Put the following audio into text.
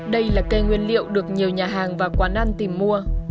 đây là cây nguyên liệu được nhiều nhà hàng và quán ăn tìm mua